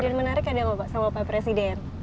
kejadian menarik ada gak pak sama pak presiden